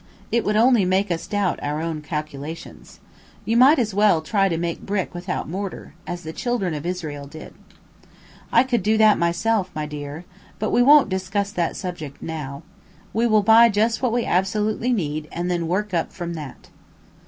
It would only make us doubt our own calculations. You might as well try to make brick without mortar, as the children of Israel did." "I could do that myself, my dear," said I, "but we won't discuss that subject now. We will buy just what we absolutely need, and then work up from that."